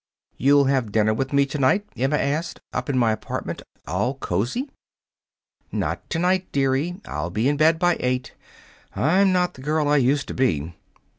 "You'll have dinner with me to night?" Emma asked. "Up at my apartment, all cozy?" "Not to night, dearie. I'll be in bed by eight. I'm not the girl I used to be.